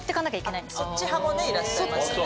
そっち派もいらっしゃいましたね。